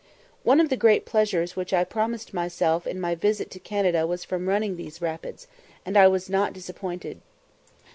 One of the great pleasures which I promised myself in my visit to Canada was from running these rapids, and I was not disappointed.